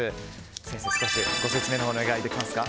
先生、早速ご説明お願いできますか。